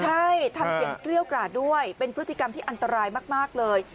ใช่ทำเสียงเกรี้ยวกราดด้วยเป็นพฤติกรรมที่อันตรายมากเลย